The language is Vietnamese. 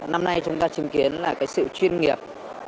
năm nay chúng ta chứng kiến là cái sự chuyên nghiệp